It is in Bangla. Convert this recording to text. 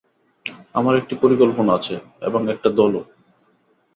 আমার একটি পরিকল্পনা আছে এবং একটা দলও।